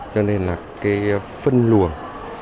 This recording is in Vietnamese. cho nên là cái phân luồng